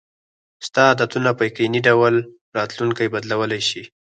ستا عادتونه په یقیني ډول راتلونکی بدلولی شي.